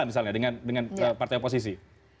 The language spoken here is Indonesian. misalnya dengan partai oposisi